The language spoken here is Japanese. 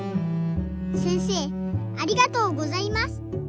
せんせいありがとうございます。